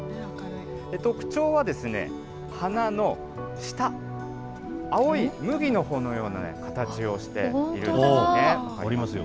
特徴は、花の下、青い麦の穂のような形をしているんですね。